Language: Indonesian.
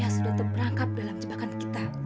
yang sudah terperangkap dalam jebakan kita